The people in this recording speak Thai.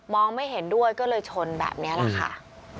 ไม่เห็นด้วยก็เลยชนแบบนี้แหละค่ะ